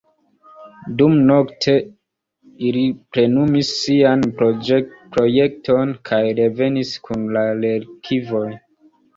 Dumnokte, ili plenumis sian projekton kaj revenis kun la relikvoj.